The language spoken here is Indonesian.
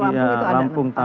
jadi seluruh lampung itu ada